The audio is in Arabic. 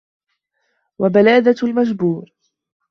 وَبَلَادَةُ الْمَجْبُورِ